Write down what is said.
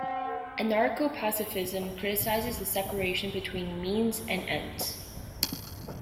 Anarcho-pacifism criticizes the separation between means and ends.